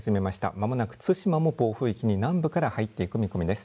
まもなく対馬も暴風域に南部から入っていく見込みです。